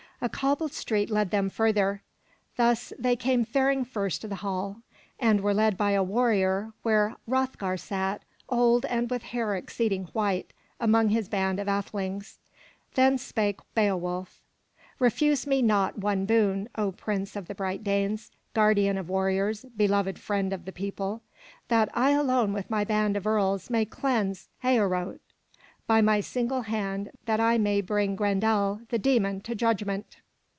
A cobbled street led them further. Thus they came faring first to the hall, and were led by a warrior where Hroth'gar sat, old and with hair exceeding white, among his band of athelings. Then spake Beowulf: "Refuse me not one boon, O Prince of the Bright Danes, guardian of warriors, beloved friend of the people, — that I alone with my band of earls may cleanse Heorot; by my single hand that I may bring Grendel, the demon, to judgment!''